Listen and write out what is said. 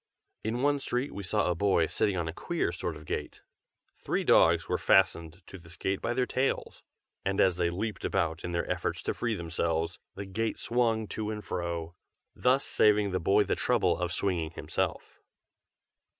In one street we saw a boy sitting on a queer sort of gate. Three dogs were fastened to this gate by their tails, and as they leaped about in their efforts to free themselves, the gate swung to and fro, thus saving the boy the trouble of swinging himself.